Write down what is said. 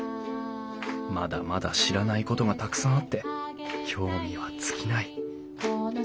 まだまだ知らないことがたくさんあって興味は尽きない。